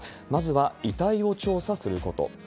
まずは遺体を調査すること。